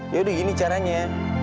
ya udah gini caranya